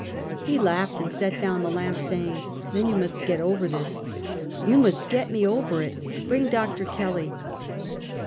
He laughed and set down the lamp, saying: " Then 3'ou must get over this! " "You must get me over it. Bring Dr. Kelly!